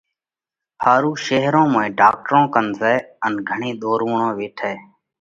ۿارُو شيرون موئين ڍاڪٽرون ڪنَ زائه، ان گھڻئِي ۮورووڻ ويٺئه۔۔